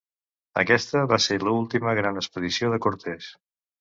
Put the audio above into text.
Aquesta va ser l'última gran expedició de Cortés.